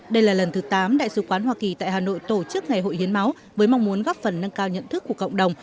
đây là lần thứ tám đại sứ quán hoa kỳ tại hà nội tổ chức ngày hội hiến máu với mong muốn góp phần nâng cao nhận thức của cộng đồng